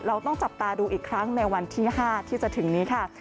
เราต้องจับตาดูอีกครั้งในวันที่๕ที่จะถึงนี้ค่ะ